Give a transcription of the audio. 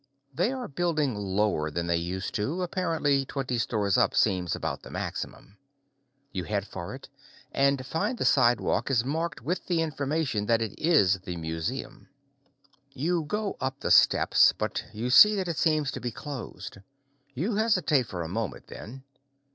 They are building lower than they used to, apparently. Twenty floors up seems about the maximum. You head for it, and find the sidewalk is marked with the information that it is the museum. You go up the steps, but you see that it seems to be closed. You hesitate for a moment, then.